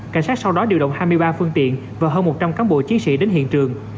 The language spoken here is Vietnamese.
cảnh sát sau đó điều động hai mươi ba phương tiện và hơn một trăm linh cán bộ chiến sĩ đến hiện trường